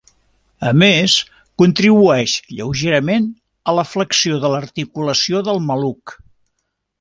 A més, contribueix lleugerament a la flexió de l'articulació del maluc.